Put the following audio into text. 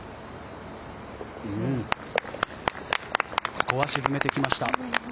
ここは沈めてきました。